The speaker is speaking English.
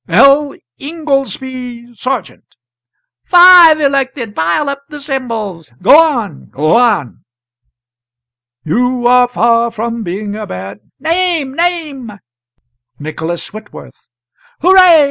"'L. Ingoldsby Sargent.'" "Five elected! Pile up the Symbols! Go on, go on!" "'You are far from being a bad '" "Name! name!" "'Nicholas Whitworth.'" "Hooray!